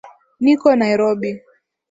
Niko Nairobi